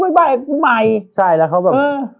ใบ้ใหม่ใช่แล้วเขาแบบเออ